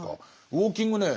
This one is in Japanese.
ウォーキングね